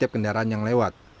kepolisian kampung jawa barat